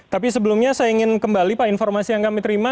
tapi sebelumnya saya ingin kembali pak informasi yang kami terima